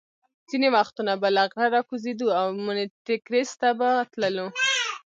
ځینې وختونه به له غره را کوزېدو او مونیټریکس ته به تللو.